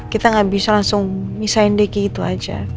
kita gak bisa langsung misahin dia gitu aja